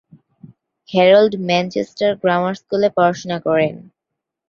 Harold Manchester grammar স্কুলে পড়াশোনা করেন।